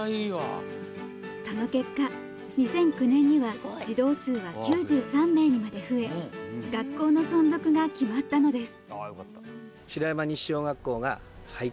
その結果、２００９年には児童数は９３名にまで増え学校の存続が決まったのです。